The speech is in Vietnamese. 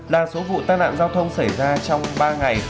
bảy mươi ba là số vụ tăng nạn giao thông xảy ra trong ba ngày